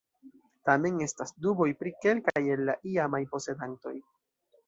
Tamen estas duboj pri kelkaj el la iamaj posedantoj.